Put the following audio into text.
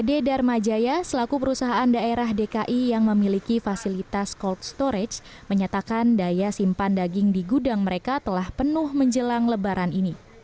ade dharma jaya selaku perusahaan daerah dki yang memiliki fasilitas cold storage menyatakan daya simpan daging di gudang mereka telah penuh menjelang lebaran ini